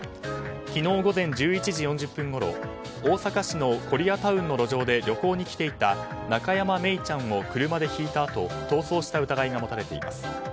昨日午前１１時４０分ごろ大阪市のコリアタウンの路上で旅行に来ていた中山愛李ちゃんを車でひいたあと逃走した疑いが持たれています。